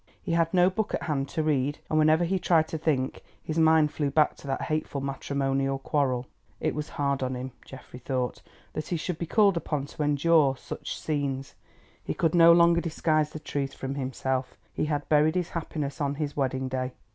He had no book at hand to read, and whenever he tried to think his mind flew back to that hateful matrimonial quarrel. It was hard on him, Geoffrey thought, that he should be called upon to endure such scenes. He could no longer disguise the truth from himself—he had buried his happiness on his wedding day.